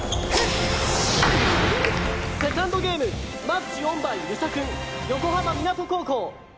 セカンドゲームマッチウォンバイ遊佐君横浜湊高校！